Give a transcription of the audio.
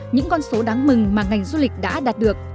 những con số đáng mừng mà ngành du lịch đã đạt được